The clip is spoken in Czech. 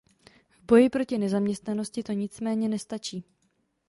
V boji proti nezaměstnanosti to nicméně nestačí.